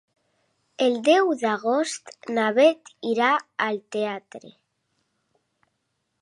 El deu d'agost na Bet irà al teatre.